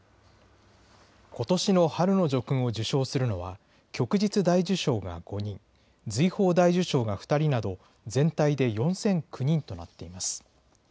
ことしの春の叙勲を受章するのは、旭日大綬章が５人、瑞宝大綬章が２人など、全体で４００９人となっています。